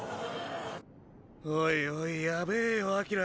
おいおいやべぇよアキラ。